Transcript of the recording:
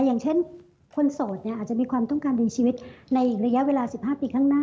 อย่างเช่นคนโสดเนี่ยอาจจะมีความต้องการดีชีวิตในระยะเวลา๑๕ปีข้างหน้า